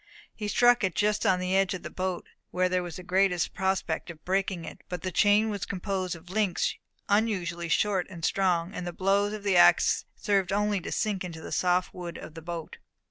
He struck it just on the edge of the boat where there was the greatest prospect of breaking it; but the chain was composed of links unusually short and strong, and the blows of the ax served only to sink it into the soft wood of the boat.